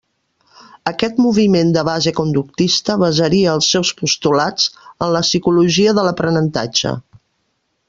Aquest moviment de base conductista basaria els seus postulats en la psicologia de l'aprenentatge.